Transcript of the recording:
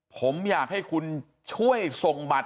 ผมอยากให้คุณช่วยส่งบัตร